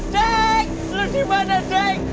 deng lu dimana deng